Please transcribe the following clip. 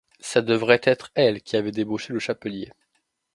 Ça devait être elle qui avait débauché le chapelier.